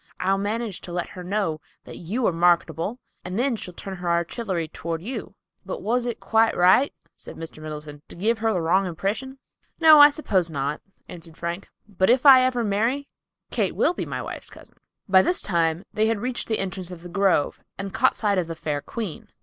I'll manage to let her know that you are marketable, and then she'll turn her artillery toward you." "But was it quite right," said Mr. Middleton, "to give her a wrong impression?" "No, I suppose not," answered Frank. "But if I ever marry, Kate will be my wife's cousin." By this time they had reached the entrance of the grove and caught sight of the fair queen.